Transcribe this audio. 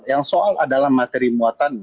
yang soal adalah materi muatan